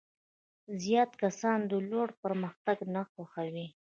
زیات کسان د لور پرمختګ نه خوښوي.